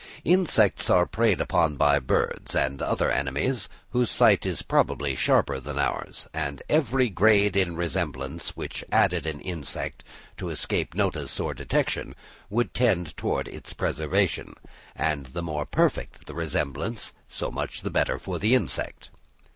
Insects are preyed on by birds and other enemies whose sight is probably sharper than ours, and every grade in resemblance which aided an insect to escape notice or detection, would tend towards its preservation; and the more perfect the resemblance so much the better for the insect.